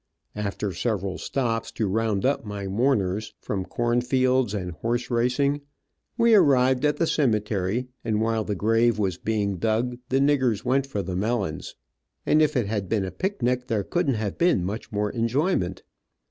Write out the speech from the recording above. After several stops, to round up my mourners, from corn fields and horse racing, we arrived at the cemetery, and while the grave was being dug the niggers went for the melons, and if it had been a picnic there couldn't have been much more enjoyment.